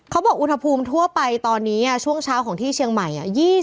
เขาบอกอุณหภูมิทั่วไปตอนนี้ช่วงเช้าของที่เชียงใหม่